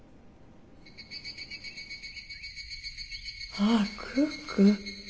ああクック。